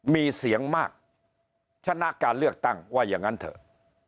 มีเสียงมากชนะการเลือกตั้งว่าอย่างนั้นเถอะ